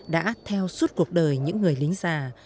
đã theo suốt cuộc đời những người lính già